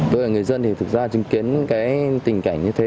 đối với người dân thì thực ra chứng kiến tình cảnh như thế